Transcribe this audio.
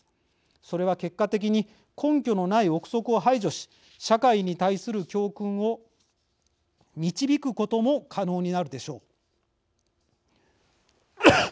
それは結果的に根拠のない臆測を排除し社会に対する教訓を導くことも可能になるでしょう。